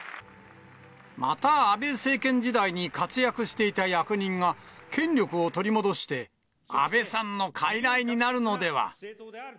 また安倍政権時代に活躍していた役人が権力を取り戻して安倍さんのかいらいになるのでは。